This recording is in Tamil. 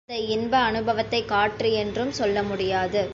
அந்த இன்ப அநுபவத்தைக் காற்று என்றும் சொல்ல முடியாது.